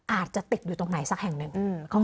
อาจจะติดอยู่ตรงไหนสักแห่งหนึ่ง